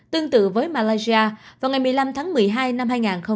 tương tự với malaysia vào ngày một mươi năm tháng một mươi hai năm hai nghìn hai mươi